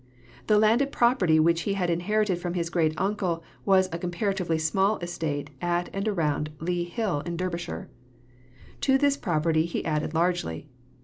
The landed property which he inherited from his great uncle was a comparatively small estate at and around Lea Hall in Derbyshire. To this property he added largely.